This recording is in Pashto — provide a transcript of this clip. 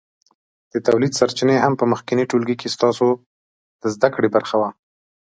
د تولید سرچینې هم په مخکېني ټولګي کې ستاسو د زده کړې برخه وه.